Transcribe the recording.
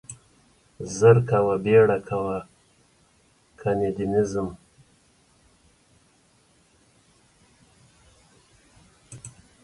زر کاوه, بيړه کاوه کني ده نه ځم.